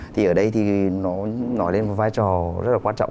thì ở đây thì nó nói lên một vai trò rất là quan trọng